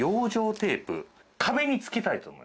テープ壁に付けたいと思います。